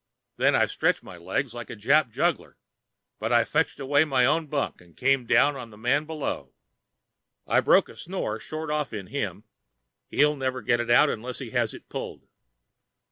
Then I stretched my legs like a Jap juggler, but I fetched away my own bunk and came down on the man below. I broke a snore short off in him. He'll never get it out unless he has it pulled.